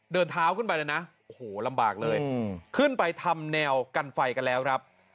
เดินเท้าขึ้นไปเลยนะโอ้โหลำบากเลยขึ้นไปทำแนวกันไฟกันแล้วครับ